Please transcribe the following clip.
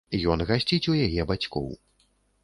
Ён гасціць у яе бацькоў.